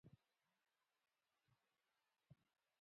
تاریخ د خپل وخت خبره کوي.